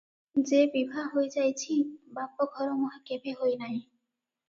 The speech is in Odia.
ଯେ ବିଭା ହୋଇ ଯାଇଛି, ବାପ-ଘରମୁହାଁ କେଭେ ହୋଇନାହିଁ ।